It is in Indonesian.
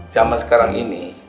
zaman sekarang ini